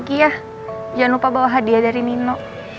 jangan lupa bawa hadiah dari mino